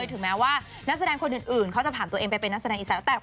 อีกนานอีกนานเลยค่ะ